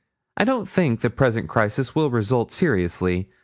I don't think the present crisis will result seriously.